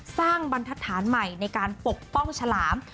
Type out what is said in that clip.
สร้างบรรทัศน์ใหม่ในการปกป้องฉลาม